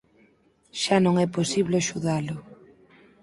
Xa non é posible axudalo.